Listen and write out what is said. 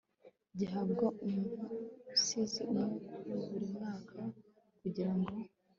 gihabwa umusizi umwe buri mwaka kugirango